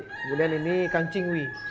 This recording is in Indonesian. kemudian ini kang ching wi